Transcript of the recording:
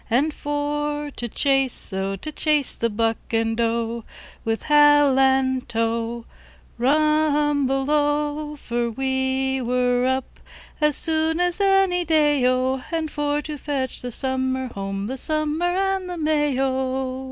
And for to chase, O! To chase the buck and doe. With Halantow, Rumble Ow! For we were up as soon as any day, O! And for to fetch the Summer home, The Summer and the May, O!